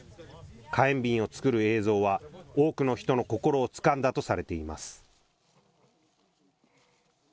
火炎瓶を作る映像は多くの人の心をつかんだとされています。